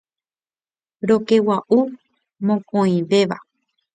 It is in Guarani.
Rokegua'u mokõivéva.